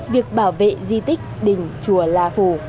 việc bảo vệ di tích đỉnh chùa la phù